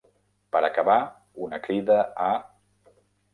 Per acabar, una crida a .